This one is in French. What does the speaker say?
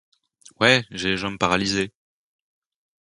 Ouais, j’ai les jambes paralysées.